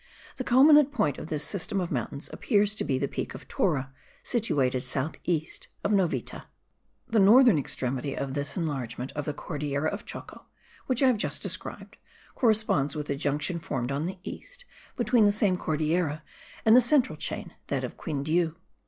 The culminant point of this system of mountains appears to be the Peak of Torra, situated south east of Novita. The northern extremity of this enlargement of the Cordillera of Choco, which I have just described, corresponds with the junction formed on the east, between the same Cordillera and the central chain, that of Quindiu.